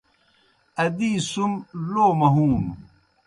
ادِی سُم لو مہُوں نوْ۔